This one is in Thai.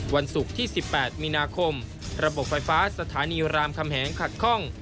วันศุกร์ที่๑๘มีนาคมระบบไฟฟ้าสถานีรามคำแหงขัดข้อง